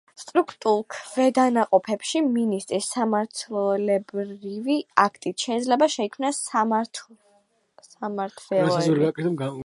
სტრუქტურულ ქვედანაყოფებში მინისტრის სამართლებრივი აქტით შეიძლება შეიქმნას სამმართველოები.